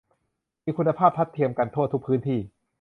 มีคุณภาพทัดเทียมกันทั่วทุกพื้นที่